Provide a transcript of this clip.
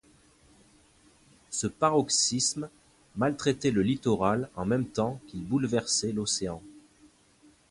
Ce paroxysme maltraitait le littoral en même temps qu’il bouleversait l’océan.